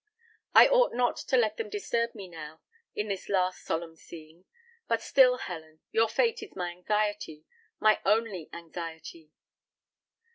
I ought not to let them disturb me now, in this last solemn scene; but still, Helen, your fate is my anxiety, my only anxiety."